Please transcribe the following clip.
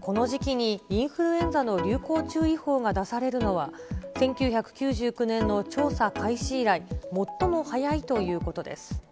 この時期に、インフルエンザの流行注意報が出されるのは、１９９９年の調査開始以来、最も早いということです。